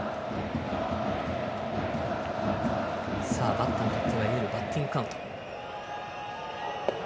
バッターにとってはいわゆるバッティングカウント。